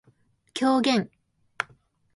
狂言